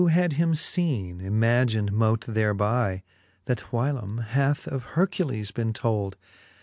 Whohad him feene, imagine mote thereby, That whylome hath of Hercules bene told.